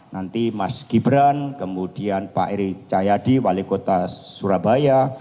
nanti mas gibran kemudian pak eri cahyadi wali kota surabaya